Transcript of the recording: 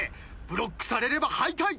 ブロックされれば敗退。